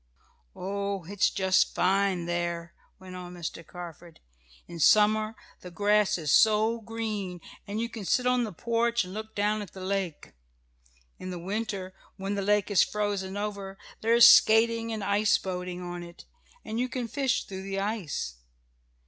"Oh, it's just fine there!" went on Mr. Carford. "In summer the grass is so green, and you can sit on the porch and look down at the lake. In the winter, when the lake is frozen over, there is skating and ice boating on it, and you can fish through the ice.